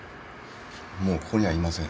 もうここにはいません。